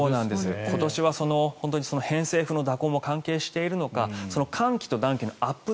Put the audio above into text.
今年は偏西風の蛇行も関係しているのか寒気と暖気のアップ